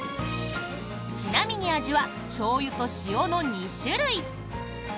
ちなみに味は醤油と塩の２種類。